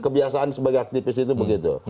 kebiasaan sebagai aktivis itu begitu